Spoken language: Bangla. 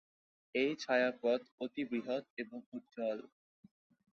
এই ছায়াপথ অতি বৃহত এবং উজ্জ্বল।